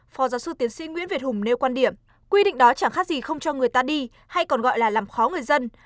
phó giáo sư tiến sĩ nguyễn việt hùng nêu quan điểm quy định đó chẳng khác gì không cho người ta đi hay còn gọi là làm khó người dân